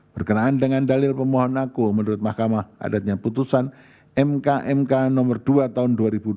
berkenaan dengan dalil pemohon aku menurut mahkamah adatnya putusan mkmk nomor dua tahun dua ribu dua puluh